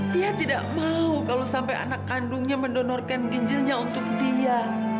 dia tidak mau kalau sampai anak kandungnya mendonorkan ginjilnya untuk dia